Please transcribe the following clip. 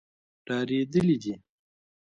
ډارېدلي دي.